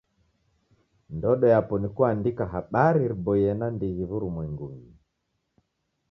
Ndodo yapo ni kuandika habari riboie nandighi w'urumwengunyi.